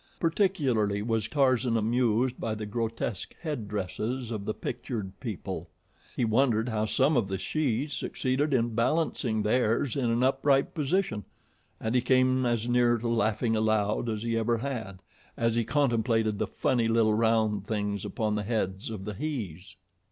Particularly was Tarzan amused by the grotesque headdresses of the pictured people. He wondered how some of the shes succeeded in balancing theirs in an upright position, and he came as near to laughing aloud as he ever had, as he contemplated the funny little round things upon the heads of the hes.